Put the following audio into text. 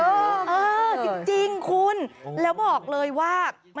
เออจริงคุณแล้วบอกเลยว่า